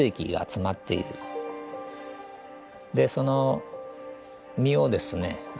でその実をですね